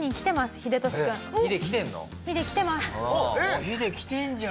ヒデ来てんじゃん。